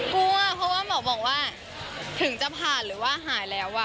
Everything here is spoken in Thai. กลัวเพราะว่าหมอบอกว่าถึงจะผ่านหรือว่าหายแล้ว